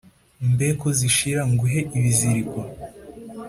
Mbe ko zishira nguhe ibiziriko